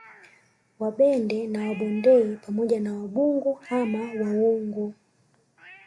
Wabende na Wabondei pamoja na Wabungu au Wawungu